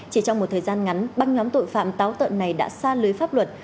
chỉ trong một thời gian ngắn băng nhóm tội phạm táo tợn này đã xa lưới pháp luật